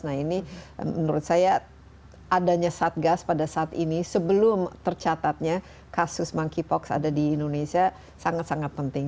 nah ini menurut saya adanya satgas pada saat ini sebelum tercatatnya kasus monkeypox ada di indonesia sangat sangat penting